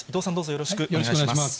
よろしくお願いします。